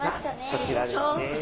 こちらですね。